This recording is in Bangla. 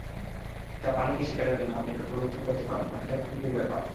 একটা প্রাণীকে শিকারের জন্য আপনি ওকে প্রলুব্ধ করতে পারেন, বাকিটা প্রকৃতির ব্যাপার।